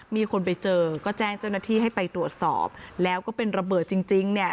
มีคนไปเจอก็แจ้งเจ้าหน้าที่ให้ไปตรวจสอบแล้วก็เป็นระเบิดจริงจริงเนี่ย